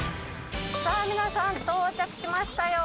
さあ皆さん到着しましたよ。